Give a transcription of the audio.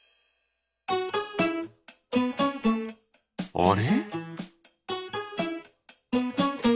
あれ？